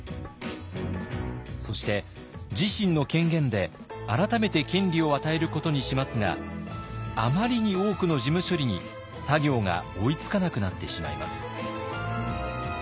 そして自身の権限で改めて権利を与えることにしますがあまりに多くの事務処理に作業が追いつかなくなってしまいます。